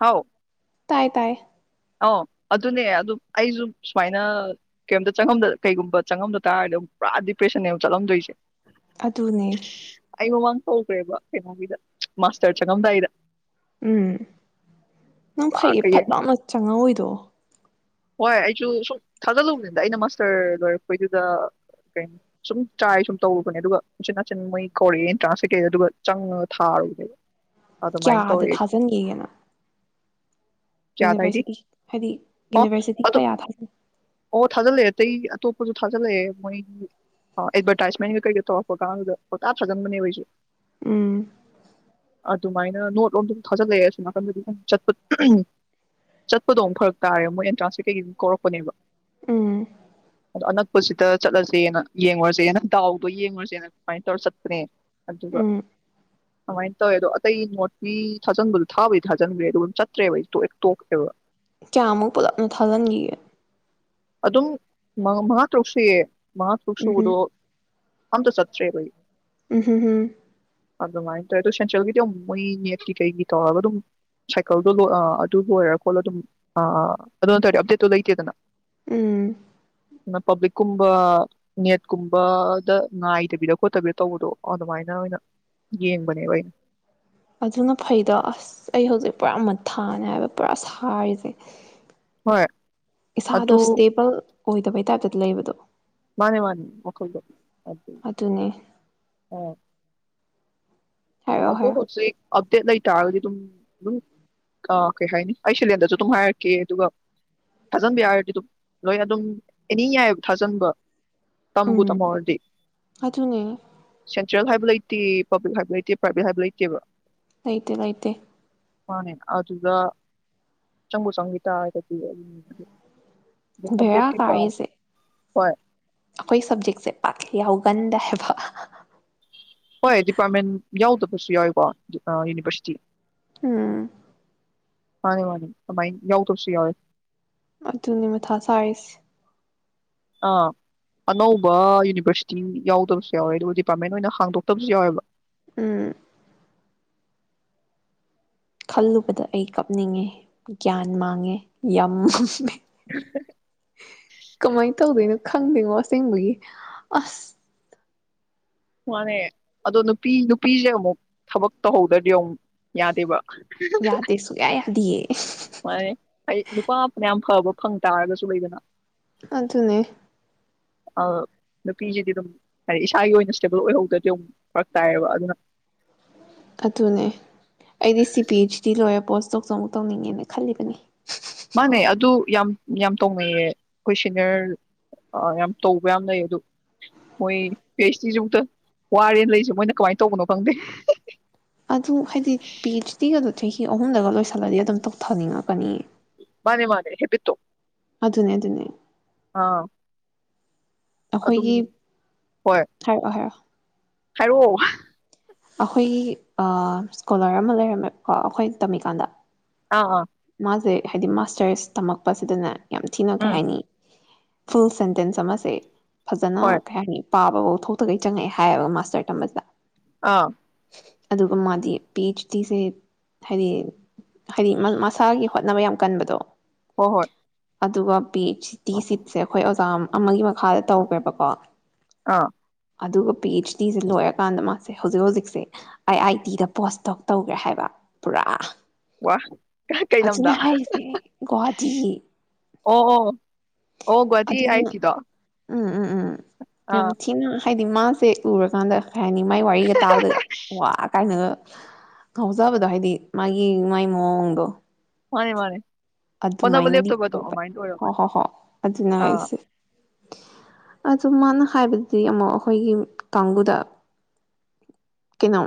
ꯍꯥꯎ ꯇꯥꯏ ꯇꯥꯏ ꯑꯧ ꯑꯗꯨꯅꯦ ꯑꯗꯨꯝ ꯑꯩꯁꯨ ꯁꯨꯃꯥꯏꯅ ꯀꯩꯝꯇ ꯆꯪꯉꯗ ꯀꯩꯒꯨꯝꯕ ꯆꯪꯉꯝꯗ ꯇꯥꯔꯒꯗꯤꯨꯛ ꯄꯨꯔꯥ ꯗꯤꯄ꯭ꯔꯦꯁꯟꯅꯦ ꯑꯃꯨꯛ ꯆꯠꯂꯝꯗꯣꯏꯁꯦ ꯑꯗꯨꯅꯦ ꯦꯕ ꯀꯩꯅꯣꯒꯤꯗ ꯃꯥꯁꯇꯔ ꯆꯪꯉꯝꯗꯥꯏꯗ ꯎꯝ ꯅꯪ ꯄꯨꯔꯥ ꯐꯩꯌꯦ ꯐꯠ ꯀꯩꯌꯦꯡ ꯂꯅ ꯆꯪꯉꯧꯑꯣꯏꯗꯣ ꯍꯣꯏ ꯑꯩꯁꯨ ꯁꯨꯝ ꯊꯥꯖꯜꯂꯨꯕꯅꯤꯗ ꯑꯩꯅ ꯃꯥꯁꯇꯔ ꯂꯣꯏꯔꯛꯄꯩꯗꯨꯗ ꯀꯩꯅ ꯁꯨꯝ ꯇ꯭ꯔꯥꯏ ꯁꯨꯝ ꯇꯧꯔꯨꯕꯅꯦ ꯑꯗꯨꯒ ꯎꯆꯤꯟ ꯅꯥꯆꯤꯟ ꯃꯣꯏ ꯀꯧꯔꯛꯑꯦ ꯑꯦꯟꯇ꯭ꯔꯥꯟꯁ ꯀꯩꯀꯩꯗ ꯑꯗꯨꯒ ꯆꯪꯉ ꯊꯥꯔꯨꯕꯅꯦꯕ ꯑꯗꯨꯃꯥꯏꯅ ꯀꯌꯥꯗ ꯇꯧꯔꯦ ꯊꯥꯖꯤꯟꯒꯤꯒꯦ ꯅꯪ ꯀꯌꯥꯗꯥꯏꯗꯤ ꯍꯥꯏꯗꯤ ꯑꯣ ꯌꯨꯅꯤꯚꯔꯁꯤꯇꯤ ꯑ ꯀꯌꯥ ꯊꯥꯖꯤꯟ ꯑꯣ ꯊꯥꯖꯤꯜꯂꯛꯑꯦ ꯑꯇꯩ ꯑꯇꯣꯞ ꯀꫭꯏꯁꯨ ꯊꯥꯖꯤꯜꯂꯛꯑꯦ ꯃꯣꯏꯒꯤ ꯑꯦꯗꯚꯔꯇꯥꯏꯖꯃꯦꯟꯒ ꯀꯩꯒ ꯇꯧꯔꯛꯄ ꯀꯥꯟꯗꯨꯗ ꯄꯣꯖꯥ ꯊꯥꯖꯤꯟꯕꯅꯦ ꯑꯩꯣꯏꯁꯦ ꯎꯝ ꯗꯨꯃꯥꯏꯅ ꯅꯣꯠꯂꫭꯝ ꯊꯥꯜꯂꯛꯑꯦ ꯁꫭꯝꯅꯥꯀꯟꯗꯤ ꯈꯪ ꯆꯠꯄ ꯆꯠꯄꯗꯣ ꯑꯃꯨꯛ ꯐꯔꯛ ꯇꯥꯔꯦ ꯃꯣꯏ ꯑꯦꯟꯇ꯭ꯔꯥꯟꯁ ꯀꯦ ꯀꯩꯀꯩ ꯀꯧꯔꯛꯄꯅꯦꯕ ꯎꯝ ꯑꯗꯣ ꯑꯅꯛꯄꯁꯤꯗ ꯆꯠꯂꯁꯦꯅ ꯌꯦꯡꯉꯨꯔꯁꯦꯅ ꯗꯥꯎꯗꯣ ꯌꯦꯡꯉꯨꯔꯁꯦꯅ ꯑꯗꯨꯃꯥꯏꯅ ꯇꯧꯔ ꯆꯠꯄꯅꯦ ꯑꯗꯨꯒ ꯎꯝ ꯀꯃꯥꯏꯅ ꯇꯧꯋꯦ ꯑꯗꯣ ꯑꯇꯩ ꯅꯣꯠꯄꯤ ꯊꯥꯖꯟꯕꯗꯣ ꯊꯥꯕꯩꯗꯤ ꯊꯥꯖꯤꯟꯕꯤ꯭ꯔꯦ ꯆꯠꯇ꯭ꯔꯦꯕ ꯑꯩ ꯇꯣꯏ ꯇꯣꯛꯈꯔꯦꯕ ꯀꯌꯥꯃꯨꯛ ꯄꯨꯂꯞꯅ ꯊꯥꯖꯤꯟꯈꯤꯒꯦ ꯑꯗꯨꯝ ꯃꯥ ꯇꯔꯨꯛ ꯁꯌꯦ ꯃꯉꯥ ꯇꯔꯨꯛ ꯎꯝꯍꯨꯝ ꯁꯨꯕꯗꫭ ꯑꯝꯇ ꯆꯠꯇꯔꯦ ꯕ ꯑꯩ ꯎꯝ ꯎꯝ ꯎꯝ ꯑꯗꯨꯃꯥꯏꯅ ꯇꯧꯋꯦ ꯑꯗꯣ ꯁꯦꯟꯇ꯭ꯔꯦꯜꯒꯤꯗꯤ ꯑꯗꯨꯝ ꯃꯣꯏ ꯅꯦꯠꯀꯤ ꯀꯩꯒꯤ ꯇꯧꯔꯒ ꯑꯗꯨꯝ ꯁꯥꯏꯀꯜꯗꯣ ꯑꯗꯨ ꯂꯣꯏꯔ ꯈꯣꯠꯂ ꯑꯗꯨꯝ ꯑꯗꯨ ꯅ ꯇꯧꯔꯗꯤ ꯑꯞꯗꯦꯠꯇꯣ ꯂꯩꯇꯦꯗꯅ ꯎꯝ ꯑꯗꯨ ꯄꯕ꯭ꯂꯤꯛꯀꯨꯝꯕ ꯅꯦꯠꯀꯨꯝꯕꯗ ꯉꯥꯏꯗꯕꯤꯗ ꯈꯣꯠꯇꯕꯤꯗ ꯇꯧꯕꯗꯣ ꯑꯗꯨꯃꯥꯏꯅ ꯑꯣꯏꯅ ꯌꯦꯡꯕꯅꯦꯕ ꯑꯩꯅ ꯑꯗꯨꯅ ꯐꯩꯗ ꯑꯁ ꯑꯩ ꯍꯧꯖꯤꯛ ꯄꯨꯔꯥ ꯃꯊꯥꯅꯦ ꯍꯥꯏꯕ ꯄꯨꯔꯥ ꯁꯥꯔꯤꯁꯦ ꯍꯣꯏ ꯏꯁꯥꯗꯣ ꯑꯗꯨ ꯏꯁꯇꯦꯕꯜ ꯑꯣꯏꯗꯕꯩ ꯇꯥꯏꯞꯇꯗ ꯂꯩꯕꯗꯣ ꯈꯜꯗꯦ ꯑꯗꯨ ꯑꯗꯨꯅꯦ ꯑ ꯍꯥꯏꯔꯛꯑꯣ ꯑꯗꯨꯗ ꯍꯥꯏꯔꯛꯑꯣ ꯍꯧꯖꯤꯛ ꯑꯞꯗꯦꯠ ꯂꯩ ꯇꯥꯔꯒꯗꯤ ꯑꯗꯨꯝ ꯑꯗꯨꯝ ꯀꯩ ꯍꯥꯏꯅꯤ ꯑꯩ ꯁꯦꯂꯦꯟꯗꯁꯨ ꯑꯗꯨꯝ ꯍꯥꯏꯔꯛꯀꯦ ꯑꯗꯨꯒ ꯊꯥꯖꯟꯕ ꯌꯥꯔꯗꯤ ꯑꯗꯨꯝ ꯂꯣꯏ ꯑꯗꯨꯝ ꯑꯦꯅꯤ ꯌꯥꯏꯑꯕ ꯊꯥꯖꯟꯕ ꯇꯝꯕꯨ ꯎꯝ ꯇꯝꯍꯧꯔꯗꯤ ꯑꯗꯨꯅꯦ ꯆꯜ ꯍꯥꯏꯕ ꯂꯩꯇꯦ ꯄꯕ꯭ꯛ ꯍꯥꯏꯕ ꯂꯩꯇꯦ ꯥꯄꯔꯥꯏꯕꯦꯠ ꯍꯥꯏꯕ ꯂꯩꯇꯦꯕ ꯂꯩꯥꯇꯦ ꯂꯩꯇꯦ ꯃꯥꯅꯦ ꯑꯗꯨꯗ ꯆꯪꯕꯨ ꯆꯪꯈꯤ ꯇꯥꯔꯒꯗꯤ ꯑꯗꯨ ꯕꯦꯔꯥ ꯀꯥꯏꯌꯦꯁꯦ ꯍꯣꯏ ꯑꯩꯈꯣꯏ ꯁꯕꯖꯦꯛꯁꯦ ꯄꯥꯛ ꯌꯥꯎꯒꯟꯗꯦ ꯍꯥꯏꯕ ꯍꯣꯏ ꯗꯤꯄꯥꯔꯠꯃꯦꯟ ꯌꯥꯎꯗꯕꯁꯨ ꯌꯥꯎꯋꯤꯀꯣ ꯌꯨꯅꯤꯚꯔꯁꯤꯇꯤ ꯑꯝ ꯃꯥꯅꯤ ꯃꯥꯅꯤ ꯀꯃꯥꯏ ꯌꯥꯎ ꯇꯕꯁꯨ ꯌꯥꯎꯋꯦ ꯑꯗꯨꯅꯤ ꯃ ꯊ ꯁꯥꯔꯁ ꯑꯥ ꯑꯅꯧꯕ ꯌꯨꯅꯤꯚꯔꯁꯤꯇꯤ ꯌꯥꯎꯗꯕꯁꯨ ꯌꯥꯎꯋꯦ ꯑꯗꯨꯒ ꯗꯤꯄꯥꯔꯠꯃꯦꯟ ꯑꯣꯏꯅ ꯍꯥꯡꯗꯣꯛꯇꯕꯁꯨ ꯌꯥꯎꯋꯦꯕ ꯎꯝ ꯈꯜꯂꯨꯕꯗ ꯑꯩ ꯀꯞꯅꯤꯡꯉꯦ ꯒ꯭ꯌꯥꯟ ꯃꯥꯡꯉꯦ ꯌꯥꯝ [inaudible] ꯀꯃꯥꯏꯅ ꯇꯧꯗꯣꯏꯅꯣ ꯈꯪꯗꯦꯉꯣ ꯑꯁꯦꯡꯕꯒꯤ ꯑꯁ ꯃꯥꯅꯦ ꯑꯗꯣ ꯅꯨꯄꯤ ꯅꯨꯄꯤꯁꯦ ꯑꯃꯨꯛ ꯊꯕꯛ ꯇꯧꯍꯧꯗ꯭ꯔꯗꯤ ꯑꯃꯨꯛ ꯌꯥꯗꯦꯕ ꯌꯥꯗꯦꯁꯨ ꯀꯌꯥ ꯌꯥꯗꯤꯌꯦ [inaudible] ꯃꯥ ꯍꯥꯏ ꯅꯨꯄꯥ ꯐꯅ ꯌꯥꯝ ꯐꯕ ꯐꯪ ꯇꯥꯔꯒꯁꯨ ꯂꯩꯗꯅ ꯑꯗꯨ ꯑꯗꯨꯅꯦ ꯅꯨꯄꯤꯁꯤꯗꯤ ꯑꯗꯨꯝ ꯍꯥꯏꯗꯤ ꯏꯁꯥꯒꯤ ꯑꯣꯏꯅ ꯏꯁꯇꯦꯕꯜ ꯑꯣꯏꯍꯧꯗ꯭ꯔꯗꯤ ꯑꯗꯨꯝ ꯐꯔꯛ ꯇꯥꯏꯌꯦꯕ ꯑꯗꯨꯅ ꯑꯗꯨꯅꯦ ꯑꯩꯗꯤ ꯁꯤ ꯄꯤ ꯑꯩꯆ ꯗꯤ ꯂꯣꯏꯔꯦ ꯄꯣꯁ ꯆꯣꯡ ꯆꯣꯡ ꯇꯧꯅꯤꯡꯉꯦꯅ ꯈꯜꯂꯤꯕꯅꯤ ꯃꯥꯅꯦ ꯑꯗꯨ ꯌꯥꯝ ꯌꯥꯝ ꯇꯧꯅꯩꯌꯦ ꯑꯩꯈꯣꯏ ꯁꯦꯅꯤꯌꯔ ꯌꯥꯝ ꯇꯧꯕ ꯌꯥꯝ ꯂꯩꯌꯦ ꯑꯗꯨ ꯃꯣꯏ ꯄꯤ ꯑꯩꯩꯆ ꯗꯤꯁꯨ ꯑꯃꯨꯛꯇ ꯋꯥꯔꯦꯅ ꯂꯩꯁꯦ ꯃꯣꯏꯅ ꯀꯃꯥꯏꯅ ꯇꯧꯕꯅꯣ ꯈꯪꯗꯦ ꯑꯗꯨ ꯍꯥꯏꯗꯤ ꯄꯤ ꯑꯩꯆ ꯗꯤꯒꯗꯨ ꯆꯍꯤ ꯑꯍꯨꯝꯗꯒ ꯂꯣꯏꯁꯤꯜꯂꯗꯤ ꯑꯗꯨꯝ ꯇꯧꯊꯅꯤꯡꯉꯛꯀꯅꯤꯌꯦ ꯃꯥꯅꯦ ꯃꯥꯅꯦ ꯍꯦꯕꯤꯠꯇꯣ ꯑꯗꯨ ꯑꯗꯨꯅꯦ ꯑꯗꯨꯅꯦ ꯑꯥ ꯑꯗꯨꯝ ꯑꯩꯈꯣꯏꯒꯤ ꯍꯥꯏꯔꯛꯑꯣ ꯍꯥꯏꯔꯛꯑꯣ ꯍꯥꯏꯔꯣ ꯑꯩꯈꯣꯏ ꯁ꯭ꯀꯣꯂꯔ ꯑꯃ ꯂꯩꯔꯝꯃꯦꯕ ꯀꯣ ꯑꯩꯈꯣꯏ ꯇꯝꯃꯤꯀꯥꯟꯗ ꯑꯥ ꯑꯥ ꯃꯥꯁꯦ ꯍꯥꯏꯗꯤ ꯃꯥꯁꯇꯔꯁ ꯇꯝꯃꯛꯄꯁꯤꯗꯅꯦ ꯌꯥꯝ ꯊꯤꯅ ꯀꯩ ꯎꯝ ꯍꯥꯏꯅꯤ ꯐꯨꯜ ꯁꯦꯦꯟꯇꯦꯟꯁ ꯑꯃꯁꯦ ꯐꯖꯅ ꯍꯣꯏ ꯀꯩ ꯍꯥꯏꯅꯤ ꯄꯥꯕꯐꯥꯎ ꯊꯣꯛꯇꯒꯩ ꯆꯪꯉꯛꯑꯦ ꯍꯥꯏꯌꯦꯕ ꯃꯥꯁꯇꯔ ꯇꯝꯕꯁꯤꯗ ꯑꯥ ꯑꯗꯨꯒ ꯃꯥꯗꯤ ꯄꯤꯆ ꯁꯤꯁꯦ ꯍꯥꯏꯗꯤ ꯍꯥꯏꯗꯤ ꯏꯁꯥꯒꯤ ꯍꯣꯠꯅꯕ ꯌꯥꯝ ꯀꯟꯕꯗꯣ ꯍꯍꯠ ꯑꯗꯨꯒ ꯇꯤ ꯁꯤꯠꯁꯦ ꯑꯩꯈꯣꯏ ꯑꯃꯒꯤꯒꯤ ꯃꯈꯥꯗ ꯇꯧꯈ꯭ꯔꯦꯕꯀꯣ ꯑꯥ ꯑꯗꯨꯒ ꯄꯤ ꯑꯩꯆ ꯗꯤꯗꯣ ꯂꯣꯏꯔꯀꯥꯟꯗ ꯃꯥ ꯁꯦ ꯍꯧꯖꯤꯛ ꯍꯧꯖꯤꯛꯁꯦ ꯑꯥꯏ ꯑꯥꯏ ꯇꯤꯗ ꯄꯣꯁ ꯇꯧ ꯇꯧꯈ꯭ꯔꯦ ꯍꯥꯏꯕ ꯄꯨꯔꯥ ꯋꯥ ꯀꯩ ꯑꯗꯨꯅꯦ ꯂꯝꯗ ꯍꯥꯏꯁꯦ ꯒꯨꯋꯥꯍꯥꯇꯤ ꯇꯤ ꯑꯣ ꯑꯣ ꯒꯨꯍꯥꯇꯤ ꯑꯥꯏ ꯑꯥꯏ ꯑꯗꯨꯅ ꯇꯤꯗꯣ ꯎꯝ ꯎꯝ ꯎꯝ ꯌꯥꯝ ꯑꯥ ꯊꯤꯅ ꯍꯥꯏꯗꯤ ꯃꯥꯁꯦ ꯎꯔꯀꯥꯟꯗ ꯀꯩ ꯍꯥꯏꯅꯤ ꯃꯥꯏ ꯋꯥꯔꯤꯒ ꯇꯥꯕꯗꯒ ꯋꯥ ꯀꯥꯏꯅꯒ ꯉꯥꯎꯖꯕꯗꯣ ꯍꯥꯏꯗꯤ ꯃꯥꯒꯤ ꯃꯥꯏ ꯃꯑꯣꯡꯗꯣ ꯃꯥꯅꯤ ꯃꯥꯅꯤ ꯑꯗꯨꯃꯥꯏꯅꯗꯤ ꯑꯣꯏ ꯍꯣ ꯍꯣ ꯍꯣꯏ ꯑꯗꯨꯅꯦ ꯑꯥ ꯍꯥꯏꯁꯦ ꯑꯗꯨ ꯃꯥꯅ ꯍꯥꯏꯕꯗꯤ ꯑꯃꯨꯛ ꯑꯩꯈꯣꯏꯒꯤ ꯀꯥꯡꯕꯨꯗ ꯀꯩꯅꯣ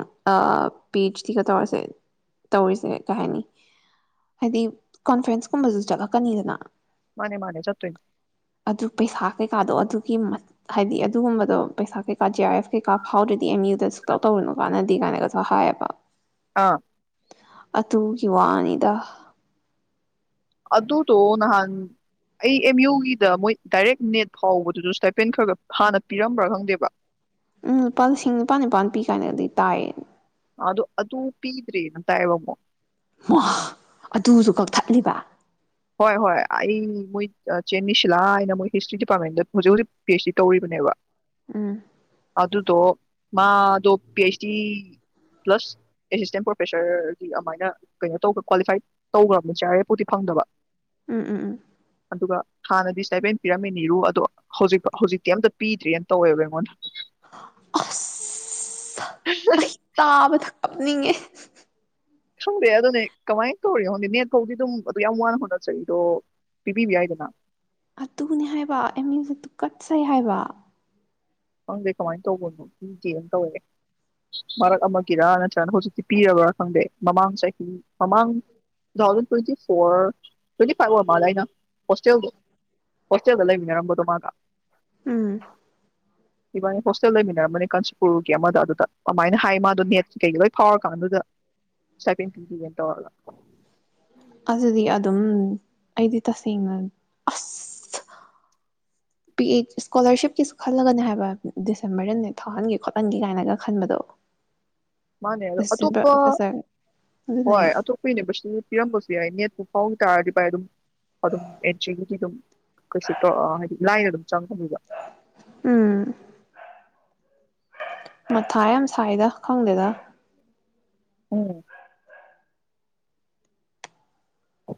ꯄꯤ ꯑꯩꯆ ꯗꯤꯒ ꯇꯧꯔꯁꯦ ꯇꯧꯔꯤꯁꯦ ꯀꯩ ꯍꯥꯏꯅꯤ ꯍꯥꯏꯗꯤ ꯀꯣꯟꯐ꯭ꯔꯦꯟꯁ ꯀꯨꯝꯕꯁꯨ ꯆꯠꯂꯛꯀꯅꯤꯗꯅ ꯃꯥꯅꯦ ꯃꯥꯅꯦ ꯆꯠꯇꯣꯏꯅꯤ ꯑꯗꯨ ꯄꯩꯁꯥ ꯀꯩꯀꯥꯗꯣ ꯑꯗꯨꯒꯤ ꯍꯥꯏꯗꯤ ꯑꯗꯨꯒꯨꯝꯕꯗꯣ ꯄꯩꯁꯥ ꯀꯩꯀꯥ ꯖꯤ ꯑꯥꯔ ꯑꯦꯐ ꯀꯩꯀꯥ ꯐꯥꯎꯗ꯭ꯔꯗꯤ ꯑꯦꯝ ꯌꯨꯗ ꯁꯨꯛꯇꯧ ꯇꯧꯔꯨꯅꯣ ꯀꯥꯟꯅꯗꯦ ꯀꯥꯏꯅꯒꯁꯨ ꯍꯥꯏꯌꯦꯕ ꯑꯥ ꯑꯗꯨꯒꯤ ꯋꯥꯅꯤꯗ ꯑꯗꯨꯗꯣ ꯅꯍꯥꯟ ꯑꯩ ꯑꯦꯝ ꯌꯨꯒꯤꯗ ꯃꯣꯏ ꯗꯥꯏꯔꯦꯛ ꯅꯦꯠ ꯐꯥꯎꯕꯗꯨꯁꯨ ꯁ꯭ꯇꯥꯏꯄꯦꯟ ꯈꯔ ꯈ ꯍꯥꯟꯅ ꯄꯤꯔꯝꯕ꯭ꯔꯥ ꯈꯪꯗꯦꯕ ꯎꯝ ꯂꯨꯄꯥ ꯂꯤꯁꯤꯡ ꯅꯤꯄꯥꯟ ꯅꯤꯄꯥꯟ ꯄꯤ ꯀꯥꯏꯅꯗꯤ ꯇꯥꯏꯌꯦ ꯑꯗꯨ ꯑꯗꯨ ꯄꯤꯗꯔ꯭ꯦꯅ ꯇꯥꯏꯌꯦꯕꯥꯀꯣ [unintelligible] ꯑꯗꯨꯁꯨ ꯀꯛꯊꯠꯂꯤꯕ ꯍꯣꯏ ꯍꯣꯏ ꯑꯩ ꯃꯣꯏ ꯆꯦꯟꯃꯤꯁꯤꯂꯥ ꯍꯥꯏꯅ ꯃꯣꯏ ꯍꯤꯁꯇ꯭ꯔꯤ ꯗꯤꯄꯥꯔꯠꯃꯦꯟꯗ ꯍꯧꯖꯤꯛ ꯍꯧꯖꯤꯛ ꯄꯤ ꯑꯩꯆ ꯗꯤ ꯇꯧꯔꯤꯕꯅꯦꯕ ꯎꯝ ꯑꯗꯨꯗꯣ ꯃꯥꯗꯣ P H D plus assistant ꯄ꯭ꯔꯣꯐꯦꯁꯔꯒꯤ ꯑꯗꯨꯃꯥꯏꯅ ꯀꯩꯅꯣ ꯇꯧ꯭ꯔ ꯀ꯭ꯋꯥꯂꯤꯐꯥꯏꯠ ꯇꯧꯈ꯭ꯔꯕꯅꯤ ꯖꯦ ꯑꯥꯔ ꯑꯦꯐ ꯄꯨꯗꯤ ꯐꯪꯗꯕ ꯎꯝ ꯎꯝ ꯎꯝ ꯑꯗꯨꯒ ꯍꯥꯟꯅꯗꯤ ꯏꯁꯇꯥꯏꯄꯦꯟ ꯄꯤꯔꯝꯃꯤꯅꯤꯔꯨ ꯑꯗꯣ ꯍꯧꯖꯤꯛ ꯍꯧꯖꯤꯛꯇꯤ ꯑꯝꯇ ꯄꯤꯗ꯭ꯔꯦꯅ ꯇꯧꯋꯦꯕ ꯑꯩꯉꯣꯟꯗ ꯑꯁ ꯑꯩ ꯇꯥꯥꯕꯗ ꯅꯤꯡꯉꯦ꯫ ꯈꯪꯗꯦ ꯑꯗꯨꯅꯦ ꯀꯃꯥꯏꯅ ꯇꯧꯔꯤꯅꯣ ꯈꯪꯗꯦ ꯅꯦꯠ ꯐꯧꯗꯤ ꯑꯗꯨꯝ ꯑꯗꯨ ꯌꯥꯝ ꯋꯥꯅ ꯍꯣꯠꯅꯖꯔꯤꯗꯣ ꯄꯤꯕꯤꯕ ꯌꯥꯏꯗꯅ ꯑꯗꯨꯅꯤ ꯍꯥꯏꯕ ꯑꯦꯝꯌꯨꯁꯦ ꯇꯨꯀꯠꯆꯩ ꯍꯥꯏꯕ ꯈꯪꯗꯦ ꯀꯃꯥꯏꯅ ꯇꯧꯕꯅꯣ ꯄꯤꯗꯦꯅ ꯇꯧꯋꯦ ꯃꯔꯛ ꯑꯃꯒꯤꯔꯥ ꯅꯠꯇ꯭ꯔꯒꯅ ꯍꯧꯖꯤꯛꯇꯤ ꯄꯤꯔꯕ꯭ꯔꯥ ꯈꯪꯗꯦ ꯃꯃꯥꯡ ꯆꯍꯤ ꯃꯃꯥꯡ two thousand twenty four twenty five ꯑꯣꯏꯔ ꯃꯥꯜꯂ ꯑꯩꯅ ꯍꯣꯁꯇꯦꯜꯗꯣ ꯍꯣꯁꯇꯦꯜꯗ ꯂꯩꯃꯤꯟꯅꯔꯝꯕꯗꯣ ꯃꯥꯒ ꯎꯝ ꯏꯕꯥꯅꯤ ꯍꯣꯁꯇꯦꯜ ꯂꯩꯃꯤꯟꯅꯔꯝꯕꯅꯦ ꯀꯥꯟꯆꯤꯄꯨꯔꯒꯤ ꯑꯃꯗ ꯑꯗꯨꯗ ꯑꯗꯨꯃꯥꯏꯅ ꯍꯥꯏ ꯃꯥꯗꯣ ꯅꯦꯠꯀꯤ ꯀꯩ ꯂꯣꯏ ꯐꯥꯎꯔꯀꯥꯟꯗꯨꯗ ꯏꯁꯇꯥꯏꯄꯦꯟ ꯄꯤꯗꯦꯅꯥ ꯇꯧꯔꯒ ꯑꯗꯨꯗꯤ ꯑꯗꯨꯝ ꯑꯩꯗꯤ ꯇꯁꯦꯡꯅ ꯑꯁ ꯄꯤ ꯑꯩꯆ ꯏꯁꯀꯣꯂꯥꯔꯁꯤꯞꯀꯤꯁꯨ ꯈꯜꯂꯒꯅꯦ ꯍꯥꯏꯕ ꯗꯤꯁꯦꯝꯕꯔꯗ ꯅꯦꯠ ꯐꯥꯎꯍꯟꯒꯦ ꯈꯣꯠꯍꯟꯒꯦ ꯀꯥꯏꯅꯒ ꯈꯟꯕꯗꯣ ꯃꯥꯅꯦ ꯑꯗꯣ ꯑꯦꯁꯤꯁꯇꯦꯟ ꯑꯇꯣꯞꯄ ꯄ꯭ꯔꯣꯐꯦꯁꯔ ꯑꯗꯨꯅꯦ ꯍꯣꯏ ꯑꯇꯣꯞꯄ ꯌꯨꯅꯤꯚꯔꯁꯤꯇꯤꯗ ꯄꯤꯔꯝꯕꯁꯨ ꯌꯥꯏ ꯅꯦꯠ ꯐꯥꯎꯒꯤꯇꯥꯔꯗꯤ ꯕꯥꯥꯏ ꯑꯗꯨꯝ ꯑꯗꯨꯝ [unintelligible] ꯑꯗꯨꯝ ꯀꯁꯤ ꯂꯥꯏ ꯑꯗꯨꯝ ꯆꯪꯉꯕꯤꯗ ꯎꯝ ꯃꯊꯥ ꯌꯥꯝ ꯁꯥꯏꯗ ꯈꯪꯗꯦꯗ ꯎꯝ ꯑꯣ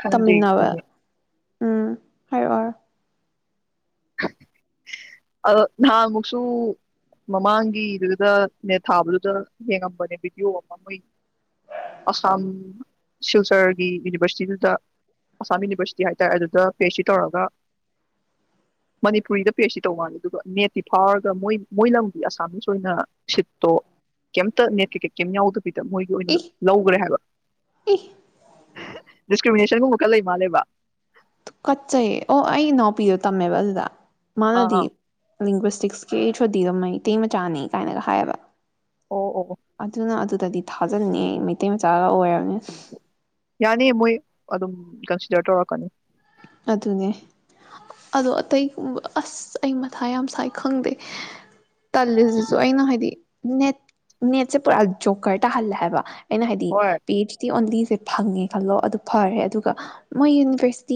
ꯍ ꯇꯝꯃꯤꯟꯅꯕ ꯎꯝ ꯍꯥꯏꯔꯛꯔ ꯅꯍꯥꯟ ꯑꯃꯨꯛꯁꯨ ꯃꯃꯥꯡꯒꯤꯗꯨꯗ ꯅꯦꯠ ꯊꯥꯕꯗꯨꯗ ꯌꯦꯡꯉꯝꯕꯅꯦ ꯚꯤꯗꯤꯑꯣ ꯑꯃ ꯃꯣꯏ ꯑꯁꯥꯝ ꯁꯤꯜꯆꯔꯒꯤ ꯌꯨꯅꯤꯚꯔꯁꯤꯇꯤꯗꯨꯗ ꯑꯁꯥꯝ ꯌꯨꯅꯤꯚꯔꯁꯤꯇꯤ ꯍꯥꯏꯇꯥꯔꯦ ꯑꯗꯨꯗ ꯐꯦꯁꯁꯤ ꯇꯧꯔꯒ ꯃꯅꯤꯄꯨꯔꯤꯗ ꯄꯤ ꯁꯤ ꯇꯧ ꯃꯥꯅꯤ ꯑꯗꯨꯒ ꯅꯦꯠꯇꯤ ꯐꯥꯎꯔꯒ ꯃꯣꯏ ꯃꯣꯏ ꯂꯝꯗꯤ ꯑꯁꯥꯃꯤꯁ ꯑꯣꯏꯅ ꯁꯤꯠꯇꯣ ꯀꯩꯝꯇ ꯅꯦꯠ ꯀꯩꯀꯩ ꯀꯩꯝ ꯌꯥꯎꯗꯕ ꯁꯤꯗ ꯃꯣꯏꯒꯤ ꯑꯣꯏꯅ ꯏ ꯂꯧꯈ꯭ꯔꯦ ꯍꯥꯏꯕ ꯏ ꯗꯤꯁꯀ꯭ꯔꯤꯃꯤꯅꯦꯁꯟꯒꯨꯝꯕꯨꯛꯀ ꯂꯩ ꯃꯥꯜꯂꯦꯕ ꯀꯠꯆꯩꯌꯦ ꯑꯣ ꯑꯩ ꯏꯅꯥꯎꯄꯤꯗꯣ ꯇꯝꯃꯦꯕ ꯑꯗꯨꯗ ꯑꯥ ꯃꯥꯅꯗꯤ ꯑꯥ ꯂ꯭ꯋꯁꯇꯤꯛꯁ ꯀ ꯁꯣꯗꯤꯗꯣ ꯃꯩꯇꯩ ꯃꯆꯥꯅꯤ ꯀꯥꯏꯅꯒ ꯍꯥꯏꯌꯦꯕ ꯑꯣ ꯑꯣ ꯑꯣ ꯑꯗꯨꯅ ꯑꯗꯨ ꯗꯗꯤ ꯊꯥꯖꯅꯤꯡꯉ ꯑꯩ ꯃꯩꯇꯩ ꯃꯆꯥꯒ ꯑꯣꯏꯔꯕꯅꯤ ꯌꯥꯅꯤ ꯃꯣꯏ ꯑꯗꯨꯝ ꯀꯟꯁꯤꯗꯔ ꯇꯧꯔꯛꯀꯅꯤ ꯑꯗꯨꯅꯦ ꯑꯗꯣ ꯑꯇꯩꯒ ꯑꯁ ꯑꯩ ꯃꯊꯥ ꯌꯥꯝ ꯁꯥꯏ ꯈꯪꯗꯦ ꯇꯜꯂꯤꯁꯤꯁꯨ ꯑꯩꯅ ꯍꯥꯏꯗꯤ ꯅꯦꯠ ꯅꯦꯠꯁꯦ ꯄꯨꯔ ꯖꯣꯒꯔ ꯇ ꯍꯜꯂ ꯍꯥꯏꯕ ꯑꯦꯩꯅ ꯍꯥꯏꯗꯤ ꯍꯣꯏ ꯄꯦꯖꯇ ꯑꯣꯟ ꯁꯦ ꯐꯪꯉꯦ ꯈꯜꯂꯣ ꯑꯗꯨ ꯐꯔꯦ ꯑꯗꯨꯒ ꯃꯣꯏ ꯌꯨꯅꯤꯚꯔꯁ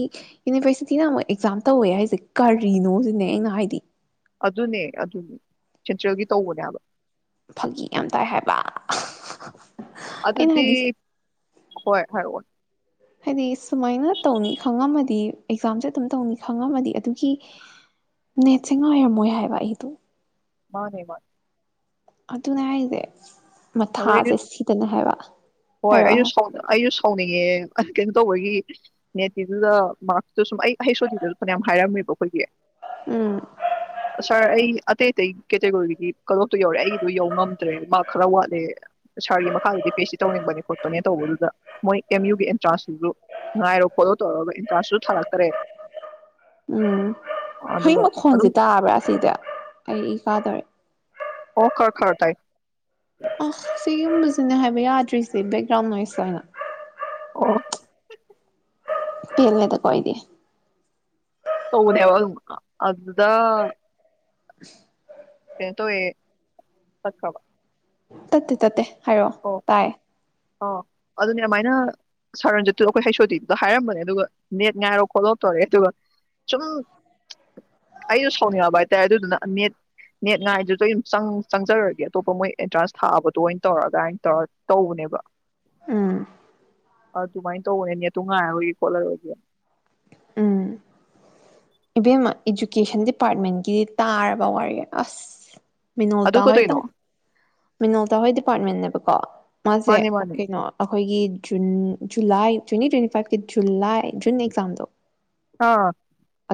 ꯌꯨꯅꯤꯚꯔꯁꯤꯇꯤꯅ ꯑꯃꯨꯛ ꯑꯦꯛꯖꯥꯝ ꯇꯧꯋꯦ ꯍꯥꯏꯁꯦ ꯀꯔꯤꯅꯣ ꯁꯤꯅꯦ ꯑꯩꯅ ꯍꯥꯏꯗꯤ ꯑꯗꯨꯅꯦ ꯑꯗꯨꯅꯦ ꯁꯦꯟꯇ꯭ꯔꯦꯜꯒꯤ ꯇꯧꯕꯅꯦꯕ ꯐꯥꯒꯤ ꯌꯥꯝ ꯇꯥꯏ ꯍꯥꯏꯕ ꯑꯩꯅ ꯑꯗꯨꯗꯤ ꯍꯥꯏꯗꯤ ꯍꯣꯏ ꯍꯥꯏꯔ ꯍꯥꯏꯗꯤ ꯁꯨꯃꯥꯏꯅ ꯇꯧꯅꯤ ꯈꯪꯉꯝꯃꯗꯤ ꯑꯦꯛꯖꯥꯝꯁꯦ ꯑꯗꯨꯝ ꯇꯧꯅꯤ ꯈꯪꯉꯝꯃꯗꯤ ꯑꯗꯨꯒꯤ ꯅꯦꯠꯁꯦ ꯉꯥꯏꯔꯝꯃꯣꯏ ꯍꯥꯏꯕ ꯑꯩꯗꯣ ꯃꯥꯅꯦ ꯃꯥꯅꯦ ꯑꯗꯨ ꯑꯗꯨ ꯅꯦ ꯑꯗꯨ ꯑꯩꯁꯨ ꯍꯣꯏ ꯑꯩꯁꯨ ꯍꯥꯏꯔꯛꯑꯣ ꯁꯥꯎ ꯑꯩꯁꯨ ꯁꯥꯎꯅꯤꯡꯉꯦ ꯇꯧꯕꯒꯤ ꯅꯦꯠꯇꯤꯗꯨꯗ ꯃꯥꯔꯁꯇ ꯁꯨꯝ ꯑꯩ ꯍꯩ ꯁꯣꯤꯗꯨꯁꯨ ꯐꯅꯌꯥꯝ ꯍꯥꯏꯔꯝꯃꯦꯕ ꯑꯩꯈꯣꯏꯒꯤ ꯎꯝ ꯁ ꯑꯩ ꯑꯇꯩꯇꯩ ꯀꯦꯇꯦꯒꯣꯔꯤꯒꯤ ꯀꯩꯅꯣꯇꯣ ꯌꯧꯔꯦ ꯑꯩꯒꯤꯗꯣ ꯌꯧ ꯉꯝꯗ꯭ꯔꯦ ꯃꯥ ꯈꯔ ꯋꯥꯠ ꯑꯗ ꯁꯥꯔꯒꯤ ꯃꯈꯥꯗꯗꯤ ꯄꯤ ꯑꯩꯆ ꯁꯤ ꯇꯧꯅꯤꯡꯕꯅꯦ ꯈꯣꯠꯄꯅꯦ ꯇꯧꯕꯗꯨꯗ ꯃꯣꯏ ꯑꯦꯝ ꯌꯨꯒꯤ ꯑꯦꯟꯇ꯭ꯔꯥꯟꯁꯇꯨꯁꯨ ꯉꯉꯥꯏꯔꯣ ꯐꯣꯂꯣ ꯇꯧꯔꯒ ꯑꯦꯟꯇ꯭ꯔꯥꯟꯁꯇꯨꯁꯨ ꯊꯥꯔꯛꯇꯔꯦ ꯎꯝ ꯍꯌꯦ ꯑꯗꯨꯒ ꯃꯈꯣꯟꯁꯦ ꯑꯗꯨꯝ ꯇꯥꯕ꯭ꯔꯥ ꯑꯁꯤꯁ ꯑꯩ ꯏ ꯀꯥꯗꯧꯔꯤꯦ ꯑꯣ ꯈꯔ ꯈꯔ ꯇꯥꯏ ꯑ ꯁꯤꯒꯨꯝꯕꯁꯤꯅꯦ ꯍꯥꯏꯕ ꯌꯥꯗ꯭ꯔꯤꯁꯦ ꯕꯦꯛꯒ꯭ꯔꯥꯎꯟ ꯅꯣꯏꯁ ꯍꯥꯏꯅ ꯑꯣ ꯇꯂꯅꯦ ꯇ ꯀꯏꯗ ꯇꯧꯅꯌꯥꯕ ꯑꯗꯨ ꯑꯗꯨꯗ [inaudible] ꯇꯣ ꯑꯦ ꯆ ꯈꯕ ꯇꯠꯇꯦ ꯇꯠꯇꯦ ꯍꯥꯏꯔꯛꯑꯣ ꯇꯥꯏ ꯑꯣ ꯑꯗꯨꯅꯦ ꯑꯗꯨꯃꯥꯏꯅ ꯁꯥꯔꯟꯖꯤꯠꯇꯨ ꯑꯩꯈꯣꯏ ꯍꯩꯁꯣꯗꯤꯤꯗꯨꯗ ꯍꯥꯏꯔꯝꯕꯅꯦ ꯑꯗꯨꯒ ꯅꯦꯠ ꯉꯥꯏꯔꯣ ꯈꯣꯠꯂꯣꯞ ꯇꯧꯔꯑꯦ ꯑꯗꯨꯒ ꯁꯨꯝ ꯑꯩꯁꯨꯣ ꯁꯥꯎꯅꯤꯡꯕ ꯍꯥꯏꯇꯥꯔꯦ ꯑꯗꯨꯗꯨꯅ ꯅꯦꯠ ꯅꯦꯠ ꯉꯥꯏꯗꯨꯗ ꯑꯩ ꯑꯗꯨ ꯆꯪ ꯆꯪꯖꯔꯒꯦ ꯑꯇꯣꯞꯄ ꯃꯣꯏ ꯑꯦꯟꯇ꯭ꯔꯥꯟꯁ ꯊꯥꯕꯗꯣ ꯑꯣꯏꯅ ꯇꯧꯔꯒ ꯑꯗꯨꯃꯥꯏꯅ ꯇꯧꯔ ꯇꯧꯕꯅꯦꯕ ꯎꯝ ꯑ ꯇꯨꯃꯥꯏ ꯇꯅꯤ ꯇꯨꯡꯉ ꯍꯥꯏꯕꯨꯣꯏ ꯀꯣꯂꯔ ꯑꯣꯏ ꯎꯝ ꯏꯕꯦꯝꯃ ꯏꯗꯨꯨꯀꯦꯁꯟ ꯗꯤꯄꯥꯔꯠꯃꯦꯟꯒꯤꯗꯤ ꯇꯥꯔꯕ ꯋꯥꯔꯤ ꯑꯁ ꯑꯗꯨ ꯃꯤꯅꯣꯇ ꯍꯣꯏ ꯇ ꯀꯩꯗꯣꯏꯅꯣ ꯃꯤꯅꯣꯜꯇꯥ ꯍꯣꯏ ꯗꯤꯄꯥꯔꯠꯃꯟꯅꯦꯕꯀꯣ ꯃꯥꯁꯦ ꯃꯥꯅꯦ ꯃꯥꯅꯦ ꯀꯩꯅꯣ ꯑꯩꯈꯣꯏꯒꯤ ꯖꯨꯟ ꯖꯨꯂꯥꯏ ꯇ꯭ꯦꯟꯅꯤ ꯇ꯭ꯋꯦꯟꯤ ꯐꯥꯏꯚꯀꯤ ꯨꯂꯥꯏ ꯖꯨꯟ ꯑꯦꯛꯁꯝꯗꯨꯣ ꯑꯥ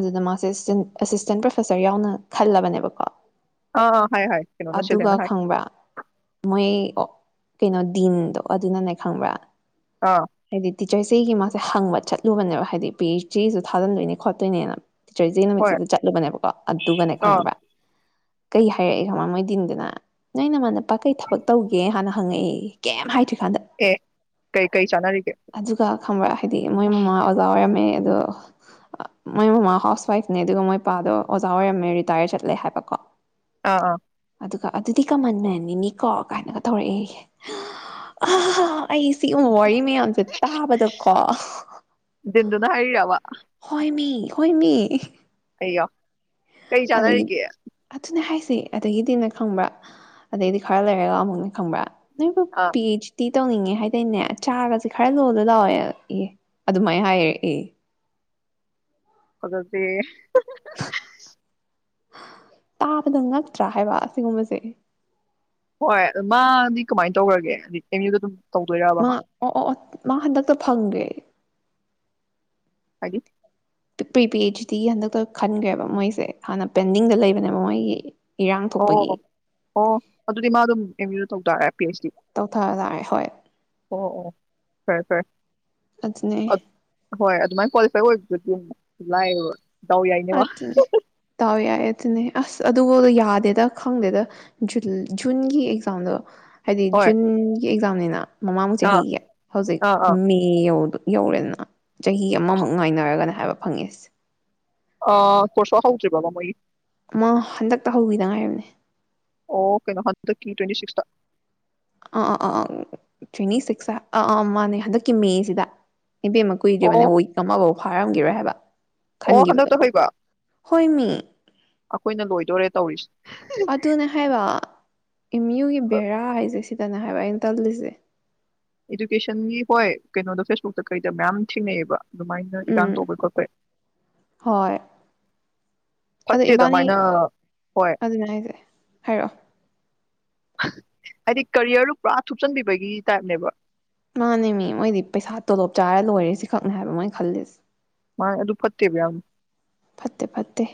ꯑꯗꯨꯅ ꯑꯦꯁꯇꯦꯟ ꯑꯦꯁꯤꯁꯇꯦꯟ ꯄ꯭ꯔꯣꯐꯦꯁꯔ ꯌꯥꯎꯅ ꯈꯜꯂꯕꯅꯦꯕꯀꯣ ꯑ ꯑ ꯍꯥꯏ ꯍ ꯀꯩꯅꯣꯅ ꯑꯗꯨꯒ ꯁꯤꯅ ꯍꯥꯏ ꯈꯪꯕ꯭ꯔꯥ ꯃꯣꯏ ꯑꯣ ꯀꯩꯅꯣ ꯗꯤꯟꯗꯣ ꯑꯗꯨꯅꯅꯦ ꯈꯪꯕ꯭ꯔꯥ ꯑꯥ ꯍꯥꯏꯗꯤ ꯇꯤꯆꯣꯏꯁꯦ ꯑꯩꯒꯤ ꯃꯥꯁꯦ ꯍꯪꯕ ꯆꯠꯂꯦ ꯂꯨꯕꯅꯦꯕ ꯍꯥꯏꯗꯤ ꯄꯦ ꯆꯦꯁꯨ ꯊꯥꯖꯤꯟꯗꯣꯏꯅꯦ ꯈꯣꯠꯇꯣꯏꯅꯦꯅ ꯇꯤꯆꯔꯁꯦ ꯍꯣꯏ ꯅꯨꯃꯤꯠꯁꯤꯗ ꯆꯠꯂꯨꯕꯅꯦꯕꯀꯣ ꯑꯗꯨꯒꯅꯦ ꯑꯥ ꯈꯪꯕ꯭ꯔ ꯀꯩ ꯍꯥꯏꯔꯛꯏꯦ ꯈꯃꯥꯡ ꯃꯣꯏꯗꯤꯟꯗꯨꯅ ꯅꯣꯏ ꯅꯃꯥꯟꯄꯥ ꯀꯩ ꯊꯕꯛ ꯇꯧꯒꯦ ꯍꯥꯟꯅ ꯍꯪꯉꯛꯏ ꯀꯩꯝ ꯍꯥꯏ ꯑꯦ ꯀꯩ ꯀꯩ ꯆ ꯑꯗꯨꯒ ꯈꯪꯕ꯭ꯔꯥ ꯍꯥꯏꯗꯤ ꯃꯣꯏ ꯃꯃꯥ ꯑꯣꯖꯥ ꯑꯣꯏꯔꯝꯃꯦ ꯑꯗꯣ ꯃꯣꯏ ꯃꯃꯥ ꯍꯥꯎꯁ ꯋꯥꯏꯐꯅꯦ ꯑꯗꯨꯒ ꯃꯣꯏ ꯄꯄꯥꯗꯣ ꯑꯣꯖꯥ ꯑꯣꯏꯔꯝꯃꯦ ꯔꯤꯇꯥꯌꯔ ꯆꯠꯂꯦ ꯍꯥꯏꯕꯀꯣ ꯑꯥ ꯑꯥ ꯑꯗꯨꯒ ꯑꯗꯨꯗꯤ ꯀꯃꯟ ꯃꯦꯟꯅꯤꯅꯤꯀꯣ ꯀꯥꯏꯅꯒ ꯇꯧꯔꯛꯑꯦ ꯑꯩ ꯁꯤ ꯋꯥꯔꯤ ꯇꯥꯕꯗ ꯀꯣ ꯅ ꯍꯥꯏꯋꯥ ꯍꯣꯏꯃꯤ ꯍꯣꯏꯃꯤ ꯀꯣ ꯑꯗꯒꯤ ꯑꯗꯨꯅ ꯍꯥꯏ ꯁꯤ ꯑꯗꯨꯒꯤꯗꯤꯝꯅ ꯈꯪꯕ꯭ꯔꯥ ꯑꯗꯩꯗꯤ ꯈꯔ ꯂꯩꯔꯒ ꯑꯃꯨꯛꯅ ꯈꯪꯕ꯭ꯔꯥ ꯅ ꯑꯥ ꯄꯦꯆꯗꯤ ꯇꯧꯅꯤꯡꯉꯦ ꯍꯥꯏꯇꯣꯏꯅꯦ ꯆꯥꯔꯒꯁꯦ ꯈꯔ ꯂꯣꯜꯂ ꯂꯥꯎꯋꯦ ꯑꯦ ꯑꯗꯨꯃꯥꯏꯅ ꯍꯥꯏꯔꯦ ꯑꯦ ꯐꯖꯗꯦ꯫ ꯇꯥꯕꯗ ꯉꯛꯇ꯭ꯔꯥ ꯍꯥꯏꯕ ꯑꯁꯤꯒꯨꯝꯕꯁꯦ꯫ ꯍꯣꯏ ꯑꯗꯨ ꯃꯥꯗꯤ ꯀꯃꯥꯏꯅ ꯇꯧꯈ꯭ꯔꯒꯦ ꯍꯥꯏꯗꯤ ꯑꯦꯝ ꯌꯨꯗ ꯑꯗꯨꯝ ꯃꯥ ꯑꯣ-ꯑꯣ ꯃꯥ ꯍꯟꯗꯛꯇ ꯐꯪꯗ꯭ꯔꯦ꯫ ꯍꯥꯏꯗꯤ꯫ ꯄ꯭ꯔꯤ ꯄꯤ ꯑꯩꯆ ꯗꯤ ꯍꯟꯗꯛꯇ ꯈꯟꯈ꯭ꯔꯦꯕ ꯃꯣꯏꯁꯦ ꯍꯥꯟꯅ ꯄꯦꯟꯗꯤꯡꯗ ꯂꯩꯕꯅꯦꯕ ꯃꯣꯏꯒꯤ꯫ ꯏꯔꯥꯡ ꯊꯣꯛꯄꯒꯤ ꯑꯣ-ꯑꯣ ꯑꫭ ꯑꯗꯨꯗꯤ ꯃꯥ ꯑꯗꯨꯝ ꯑꯦꯝ ꯌꯨ ꯇꯧꯇꯥꯔꯦ ꯇꯧꯊꯔ ꯇꯥꯔꯦ ꯍꯣꯏ꯫ ꯐꯔꯦ-ꯐꯔꯦ꯫ ꯑꯗꯨꯅꯦ ꯑ ꯍꯣꯏ ꯑꯗꯨꯃꯥꯏꯅ ꯀ꯭ꯋꯥꯂꯤꯐꯥꯏ ꯑꯣꯏ [inaudible] ꯂꯥꯏꯌꯦꯕ ꯗꯥꯎ ꯌꯥꯏꯅꯦ ꯃꯥ꯫ ꯑꯗꯨꯅꯦ ꯗꯥꯎ ꯌꯥꯏ ꯑꯗꯨꯅꯦ ꯑꯁ ꯑꯗꯨꯕꯧꯗ ꯌꯥꯗꯦꯗ ꯈꯪꯗꯦꯗ ꯖꯨꯜ ꯖꯨꯟꯒꯤ ꯑꯦꯛꯖꯥꯝꯗꯣ ꯍꯥꯏꯗꯤ ꯍꯣꯏ ꯖꯨꯟ ꯒꯤ ꯑꯦꯛꯖꯥꯝꯅꯤꯅ ꯃꯃꯥꯡ ꯑꯥ ꯆꯍꯤꯒꯤ ꯍꯧꯖꯤꯛ ꯑꯥ ꯑꯥ ꯃꯦ ꯌꯧꯗꫭ ꯌꯧꯔꯦꯅ ꯆꯍꯤ ꯑꯃꯃꯨꯛ ꯉꯥꯏꯅꯔꯒꯅ ꯍꯥꯏꯕ ꯐꯪꯉꯁꯦ꯫ ꯑ ꯀꯣꯔꯁꯣ ꯍꯧꯗ꯭ꯔꯤꯕꯕ ꯃꯣꯏꯒꯤ꯫ ꯃꯥ ꯍꯟꯗꯛꯇ ꯍꯧꯈꯤꯗ ꯉꯥꯏꯔꯕꯅꯦ꯫ ꯑꯣ ꯀꯩꯅꫭ ꯍꯟꯗꯛꯀꯤ ꯇ꯭ꯋꯦꯟꯇꯤ ꯁꯤꯛꯁꯇ꯫ ꯑꯥ-ꯑꯥꯥ-ꯑꯥ ꯑ ꯇ꯭ꯋꯦꯟꯇꯤ ꯁꯤꯛꯁ ꯑꯥ ꯑꯥ ꯃꯥꯥꯟꯅꯦ ꯍꯟꯗꯛꯀꯤ ꯃꯦꯁꯤꯗ꯫ ꯏꯕꯦꯝꯃ ꯑꯣ ꯀꯨꯏꯗ꯭ꯔꯤꯕꯅꯦ ꯋꯤꯛ ꯑꯃꯐꯧ ꯐꯥꯔꯝꯒꯤꯔꯣꯏ ꯍꯥꯏꯕ ꯑꯣ ꯈꯟꯈꯤꯕꯗꯣ ꯍꯟꯗꯛꯇ ꯍꯣꯏ ꯃꯤ꯫ ꯑꯈꯣꯏꯅ ꯂꯣꯏꯗꯣꯔꯦ ꯇꯧꯔꯤꯁꯦ꯫ ꯑꯗꯨꯅ ꯍꯥꯏꯕꯥ꯫ ꯏꯦꯝꯌꯨꯒꯤ ꯕꯦꯔꯥ ꯍꯥꯏꯁꯦ ꯁꯤ ꯐꯖꯅ ꯍꯥꯏꯕ ꯑꯩꯅ ꯇꯜꯂꯤꯁꯦ꯫ ꯏꯗꯨꯀꯦꯁꯟꯒꯤ ꯍꯣꯏ ꯀꯩꯅꯣꯗꯣ ꯐꯦꯁꯕꯨꯛꯇ ꯀꯩꯗ ꯃꯌꯥꯝ ꯊꯦꯡꯅꯩꯑꯕ꯫ ꯑꯗꯨꯃꯥꯏꯅ ꯏꯔꯥꯡ ꯎꯝ ꯇꯧꯕꯩ ꯈꯣꯠꯄꯩ ꯑꯗꫭ ꯐꯠꯇꯦ ꯏꯕꯥꯅꯤ ꯑꯗꯨꯃꯥꯏꯅ ꯍꯣꯏ ꯑꯗꯨꯅꯦ ꯍꯥꯏꯁꯦ ꯍꯥꯏꯔꯛꯑꯣ꯫ ꯍꯥꯏꯗꯤ ꯀꯔꯤꯌꯔꯗꯨ ꯄꯨꯔꯥ ꯊꯨꯞꯆꯟꯕꯤꯕꯒꯤ ꯇꯥꯏꯞꯅꯦꯕ꯫ ꯃꯥꯅꯦ ꯃꯤ ꯃꯣꯏꯗꯤ ꯄꯩꯁꯥ ꯇꯣꯂꯣꯞ ꯆꯥꯔ ꯂꯣꯏꯔꯦ ꯁꯤꯈꯛꯅꯦ ꯍꯥꯏꯕ ꯃꯣꯏ ꯈꯜꯂꯤꯁꯦ꯫ ꯃꯥꯅꯦ ꯑꯗꯨ ꯐꯠꯇꯦꯕ ꯌꯥꯝ ꯐꯠꯇꯦ-ꯐꯠꯇꯦ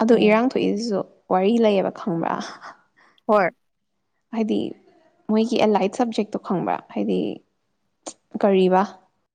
ꯑꯣ ꯎꯝ ꯏꯔꯥꯡ ꯊꯣꯛꯏꯁꯤꯁꯨ ꯋꯥꯔꯤ ꯂꯩꯌꯦꯕ ꯈꯪꯕ꯭ꯔꯥ꯫ ꯍꯣꯏ ꯍꯥꯏꯗꯤ ꯃꯣꯏꯒꯤ ꯑꯦꯂꯥꯏꯠ ꯁꯕꯖꯦꯛꯇꯣ ꯈꯪꯕ꯭ꯔꯥ ꯍꯥꯏꯗꯤ ꯀꯔꯤꯕ